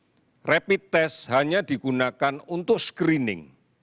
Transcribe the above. karena rapid test hanya digunakan untuk screening